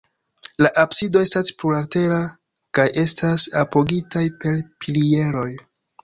La absido estas plurlatera kaj estas apogitaj per pilieroj.